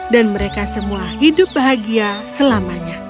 dan mereka semua hidup bahagia selamanya